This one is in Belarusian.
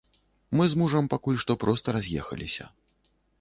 Мы з мужам пакуль што проста раз'ехаліся.